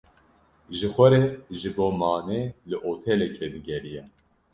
Ji xwe re ji bo manê li otelekê digeriya.